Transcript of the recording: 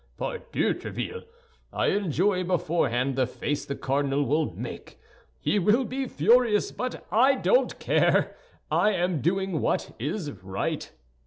Ah, pardieu, Tréville! I enjoy beforehand the face the cardinal will make. He will be furious; but I don't care. I am doing what is right."